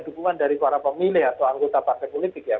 dukungan dari para pemilih atau anggota partai politik ya